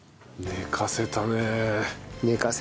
寝かせたね。